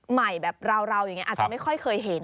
ใหม่แบบเราอย่างนี้อาจจะไม่ค่อยเคยเห็น